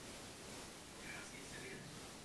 Právní řád Haiti je odvozen z Napoleonova zákoníku.